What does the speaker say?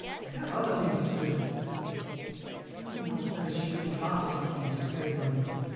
I have other things to do. "Who knows whether she isn't laughing at me this very moment?